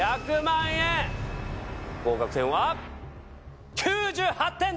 合格点は９８点です。